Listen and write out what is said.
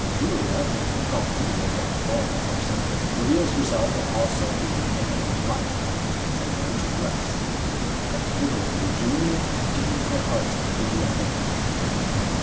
Julia, whom I had thought to be the one normal person, reveals herself as also being an alien life form, similar to the rest: _... quite deliberately, Julia had given her heart to the young man.